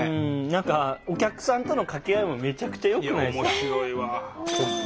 何かお客さんとの掛け合いもめちゃくちゃよくないですか。